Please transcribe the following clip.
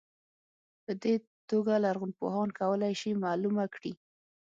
په دې توګه لرغونپوهان کولای شي معلومه کړي.